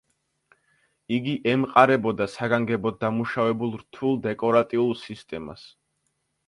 იგი ემყარებოდა საგანგებოდ დამუშავებულ რთულ დეკორატიულ სისტემას.